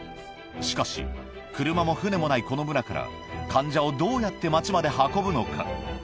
しかし車も船もないこの村から患者をどうやって町まで運ぶのか？